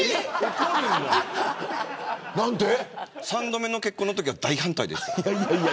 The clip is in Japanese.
３度目の結婚のときは大反対です。